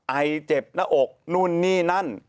ไอเจ็บหน้าอกนู่นนี่นั่น